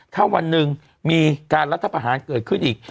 ถ้าวันนึงมีการรัฐภาษาเกิดขึ้นอีก